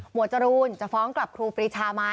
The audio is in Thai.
หมวดจรูนจะฟ้องกับครูปริชามั้ย